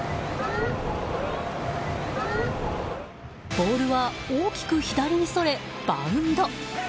ボールは大きく左にそれバウンド。